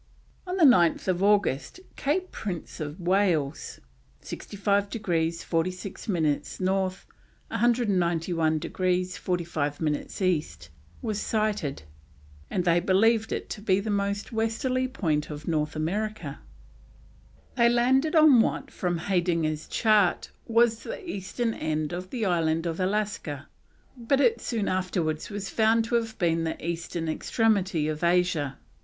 On 9th August, Cape Prince of Wales, 65 degrees 46 minutes North, 191 degrees 45 minutes East, was sighted, and they believed it to be the most westerly point of North America. They landed on what, from Heydinger's Chart, was the eastern end of the island of Alaska, but it afterwards was found to be the eastern extremity of Asia.